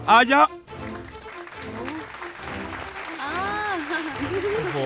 อาเย้า